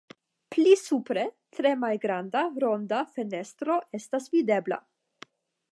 Pli supre tre malgranda ronda fenestro estas videbla.